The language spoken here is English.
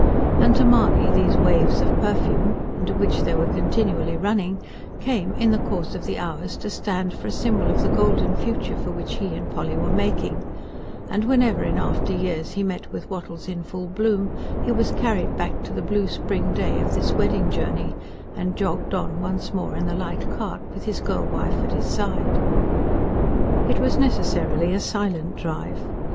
And to Mahony these waves of perfume, into which they were continually running, came, in the course of the hours, to stand for a symbol of the golden future for which he and Polly were making; and whenever in after years he met with wattles in full bloom, he was carried back to the blue spring day of this wedding journey, and jogged on once more, in the light cart, with his girl wife at his side. It was necessarily a silent drive.